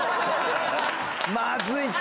まずい血！